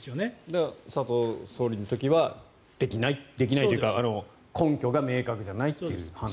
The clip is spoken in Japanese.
だから佐藤総理の時はできないというか根拠が明確じゃないという判断ですね。